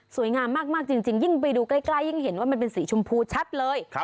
งามมากจริงยิ่งไปดูใกล้ยิ่งเห็นว่ามันเป็นสีชมพูชัดเลย